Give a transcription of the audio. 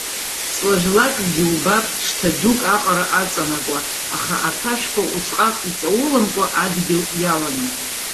Ҵла жәлакгьы убап, шҭа дук аҟара аҵанакуа, аха аԥашәқәа усҟак иҵауламкәа адгьыл иаланы.